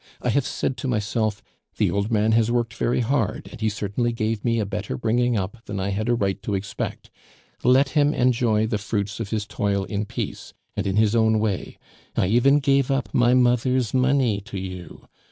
I have said to myself 'The old man has worked very hard, and he certainly gave me a better bringing up than I had a right to expect; let him enjoy the fruits of his toil in peace, and in his own way. I even gave up my mother's money to you.